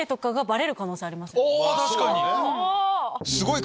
確かに！